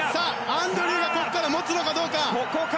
アンドリューがここから持つのかどうか。